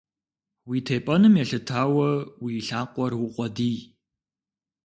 Уи тепӏэным елъытауэ, уи лъакъуэр укъуэдий.